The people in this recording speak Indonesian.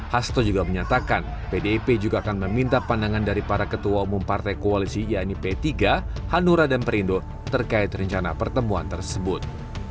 hasto juga menyatakan pdip juga akan meminta pandangan dari para ketua umum partai koalisi yaitu p tiga hanura dan perindo terkait rencana pertemuan tersebut